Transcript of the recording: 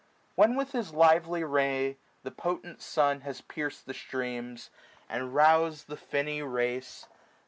390 When with his lively ray the potent sun Has pierc'd the streams, and rous'd the finny race.